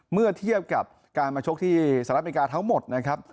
เมื่อเทียบกับการมาชกที่สหรัฐอเมริกาทั้งหมดนะครับ